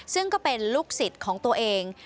ซึ่งก็เป็นลูกศิษย์ของตัวเอง